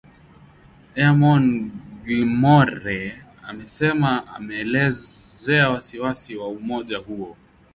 Eamon Gilmore alisema ameelezea wasi-wasi wa umoja huo.